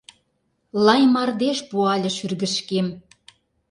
Лай мардеж пуале шӱргышкем.